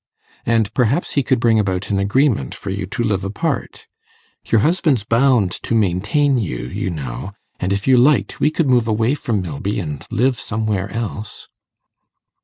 And perhaps he could bring about an agreement for you to live apart. Your husband's bound to maintain you, you know; and, if you liked, we could move away from Milby and live somewhere else.